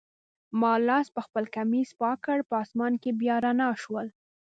ما لاس پخپل کمیس پاک کړ، په آسمان کي بیا رڼا شول.